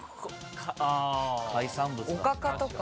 おかかとか。